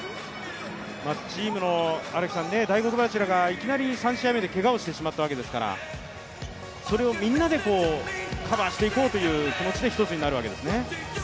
チームの大黒柱が、いきなり３試合目でけがをしてしまったわけですから、それをみんなでカバーしていこうという気持ちで一つになるわけですね。